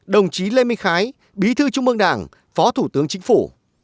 đồng chí lê minh khái bí thư trung mương đảng phó thủ tướng chính phủ